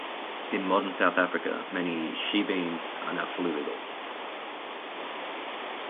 In modern South Africa, many "shebeens" are now fully legal.